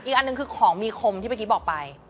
อันหนึ่งคือของมีคมที่เมื่อกี้บอกไป